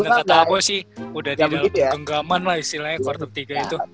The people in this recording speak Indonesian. bener bener kata gue sih udah di dalam genggaman lah istilahnya quarter tiga itu